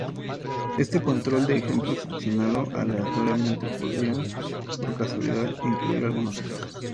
Este control de ejemplo seleccionado aleatoriamente podría, por casualidad, incluir algunos casos.